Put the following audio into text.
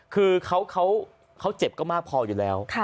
คือเขาเจ็บก็มากพออยู่แล้ว